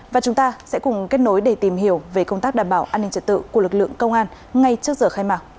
và chúng ta sẽ cùng kết nối để tìm hiểu về công tác đảm bảo an ninh trật tự của lực lượng công an ngay trước giờ khai mạc